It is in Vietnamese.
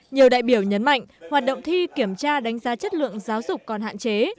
nhiều đại biểu nhấn mạnh hoạt động thi kiểm tra đánh giá chất lượng giáo dục còn hạn chế